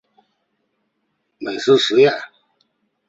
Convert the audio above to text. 美食飨宴